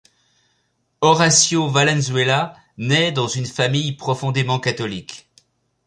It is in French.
Horacio Valenzuela naît dans une famille profondément catholique.